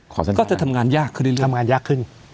ก็จะทำงานยากคือทำงานยากขึ้น